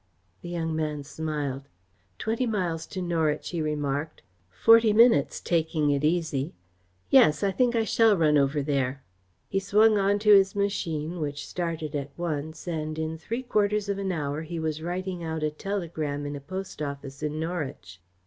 The young man smiled. "Twenty miles to Norwich," he remarked. "Forty minutes, taking it easy. Yes, I think I shall run over there." He swung on to his machine, which started at once, and in three quarters of an hour he was writing out a telegram in a post office in Norwich.